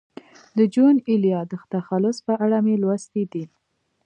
د جون ایلیا د تخلص په اړه مې لوستي دي.